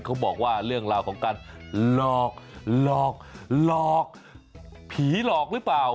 เขาบอกว่าเรื่องราวของการหลอกหลอกหลอก